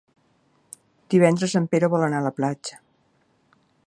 Divendres en Pere vol anar a la platja.